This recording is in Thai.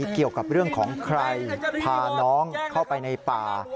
เกี่ยวกับเรื่องของใครพาน้องเข้าไปในป่า